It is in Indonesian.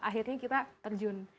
akhirnya kita terjun